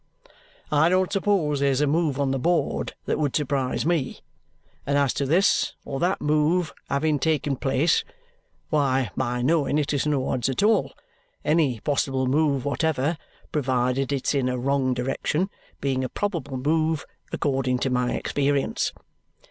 I don't suppose there's a move on the board that would surprise ME, and as to this or that move having taken place, why my knowing it is no odds at all, any possible move whatever (provided it's in a wrong direction) being a probable move according to my experience.